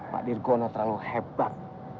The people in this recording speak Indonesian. pak dirgona terlalu hebat